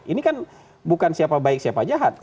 ini kan bukan siapa baik siapa jahat